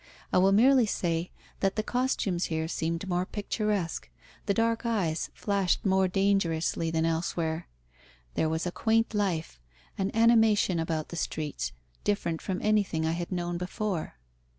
I will merely say that the costumes here seemed more picturesque, the dark eyes flashed more dangerously than elsewhere, there was a quaint life, an animation about the streets, different from anything I had known before.